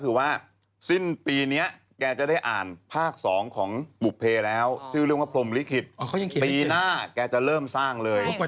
เขายังเขียนไหมเจนอ๋อเขายังเขียนไหมเจนปีหน้าแกจะเริ่มสร้างเลย